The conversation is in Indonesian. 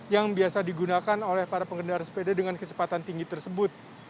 yang biasa digunakan oleh para pengendara sepeda dengan kecepatan tinggi tersebut